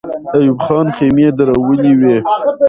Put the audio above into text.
ایوب خان خېمې درولې وې.